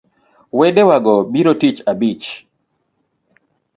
Wedewago biro tich abich